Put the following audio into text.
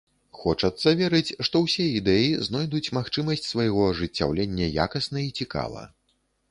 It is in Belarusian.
Хочацца верыць, што ўсе ідэі знойдуць магчымасць свайго ажыццяўлення якасна і цікава.